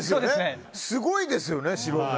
すごいですよね、白目。